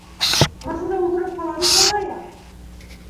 - Класында ултырып ҡала бит малайың.